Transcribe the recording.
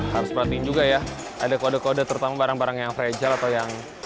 harus perhatiin juga ya ada kode kode terutama barang barang yang fragile atau yang